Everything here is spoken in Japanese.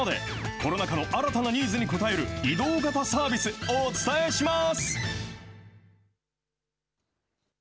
コロナ禍の新たなニーズに応える移動型サービス、お伝えします。